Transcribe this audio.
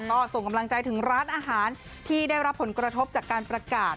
ก็ส่งกำลังใจถึงร้านอาหารที่ได้รับผลกระทบจากการประกาศ